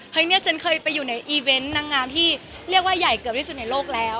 เนี่ยฉันเคยไปอยู่ในอีเวนต์นางงามที่เรียกว่าใหญ่เกือบที่สุดในโลกแล้ว